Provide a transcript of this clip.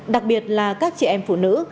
đặc biệt là các chị em phụ nữ